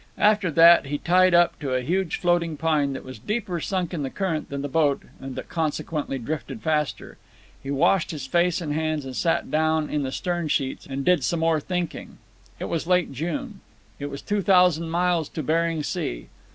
After that he tied up to a huge floating pine that was deeper sunk in the current than the boat and that consequently drifted faster. He washed his face and hands, sat down in the stern sheets, and did some more thinking. It was late in June. It was two thousand miles to Bering Sea.